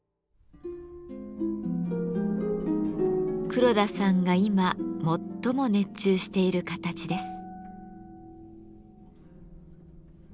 黒田さんが今最も熱中している形です。